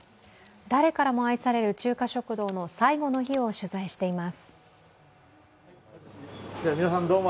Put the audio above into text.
誰からも愛される中華食堂の最後の日を取材しています。